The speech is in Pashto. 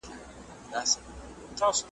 او په هغه ژبه خپلو اورېدونکو .